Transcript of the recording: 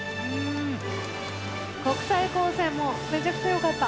国際高専もめちゃくちゃ良かった。